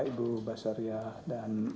ibu basaria dan